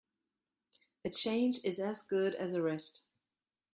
A change is as good as a rest.